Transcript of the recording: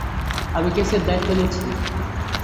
আমি কেসের দায়িত্ব নিচ্ছি।